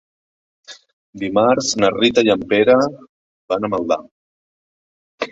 Dimarts na Rita i en Pere van a Maldà.